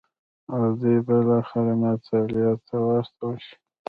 او دوی به بالاخره مالټا ته واستول شي.